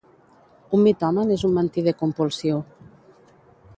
Un mitòman és un mentider compulsiu